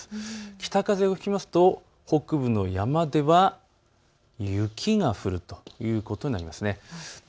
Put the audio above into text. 北風が吹きますと北部の山では雪が降るということになります。